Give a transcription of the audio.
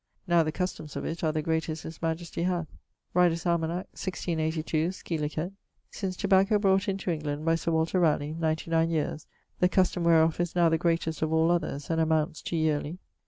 Now, the customes of it are the greatest his majestie hath Rider's Almanac (1682, scilicet) 'Since tobacco brought into England by Sir Walter Raleigh, 99 yeares, the custome whereof is now the greatest of all others and amounts to yearly